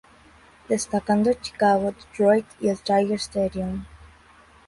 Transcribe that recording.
Destacando Chicago, Detroit y el Tiger Stadium.